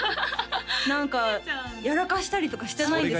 何かやらかしたりとかしてないですか？